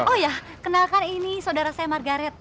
oh ya kenalkan ini saudara saya margaret